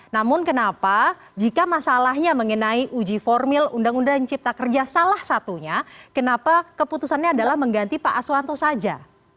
namun kenapa jika masalahnya mengenai uji formil undang undang cipta kerja salah satunya kenapa keputusannya adalah mengganti pak aswanto saja